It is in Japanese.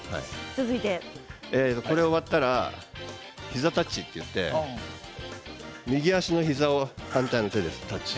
これが終わったら膝タッチといって右足の膝を反対の手でタッチ。